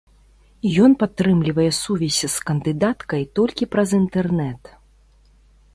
Ён падтрымлівае сувязь з кандыдаткай толькі праз інтэрнэт.